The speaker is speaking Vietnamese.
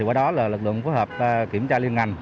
qua đó là lực lượng phối hợp kiểm tra liên ngành